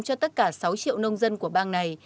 cho tất cả sáu triệu nông dân của bang này